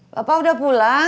bapak udah pulang